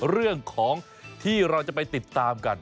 เรื่องของที่เราจะไปติดตามกัน